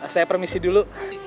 saya permisi dulu